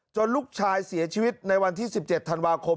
ลูกชายเสียชีวิตในวันที่๑๗ธันวาคม